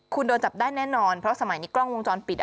คุณโดนจับได้แน่นอนเพราะสมัยนี้กล้องวงจรปิด